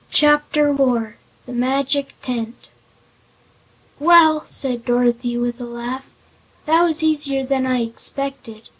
Chapter Four The Magic Tent "Well," said Dorothy with a laugh, "that was easier than I expected.